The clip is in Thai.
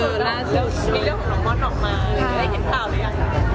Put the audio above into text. มีเรื่องของน้องมอสออกมาได้เห็นเปล่าหรือยัง